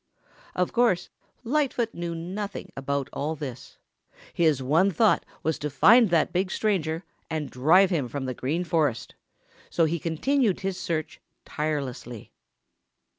Of course, Lightfoot knew nothing about all this. His one thought was to find that big stranger and drive him from the Green Forest, and so he continued his search tirelessly.